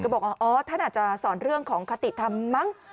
บอกว่าอ๋อท่านอาจจะสอนเรื่องของคติธรรมมั้ง